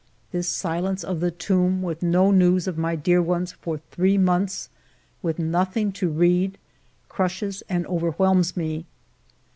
This silence of the tomb, with no news of my dear ones for three months, with nothing to read, crushes and overwhelms me.